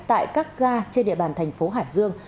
tại các ga trên địa bàn thành phố hải dương